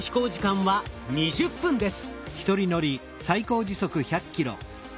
飛行時間は１５分です。